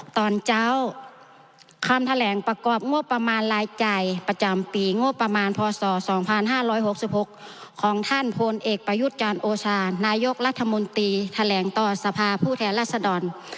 ตอนเจ้าคำแถลงประกอบงบประมาณรายจ่ายประจำปีงบประมาณพศ๒๕๖๖ของท่านพลเอกประยุทธ์จันทร์โอชานายกรัฐมนตรีแถลงต่อสภาผู้แทนรัศดร